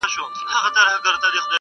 زه لکه د قبر د څو تېرو زمانو ورانېږم